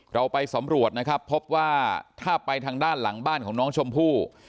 เราไปสำรวจนะครับพบว่าถ้าไปทางด้านหลังบ้านของน้องชมพู่